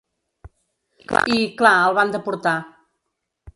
I, clar el van deportar.